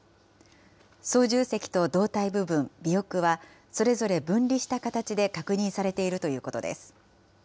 操縦席と胴体部分、尾翼は、それぞれ分離した形で確認されているということです。